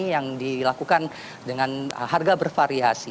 yang dilakukan dengan harga bervariasi